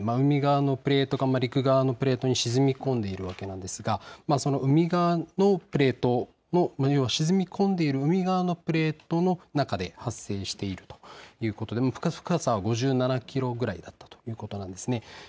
海側のプレートが陸側のプレートに沈み込んでいるわけなんですが海側のプレートの沈み込んでいる海側のプレートの中で発生しているということで深さは５７キロぐらいだったということなんですね。